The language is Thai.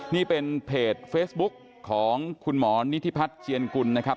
นี่เป็นเพจเฟซบุ๊กของคุณหมอนิธิพัฒน์เจียนกุลนะครับ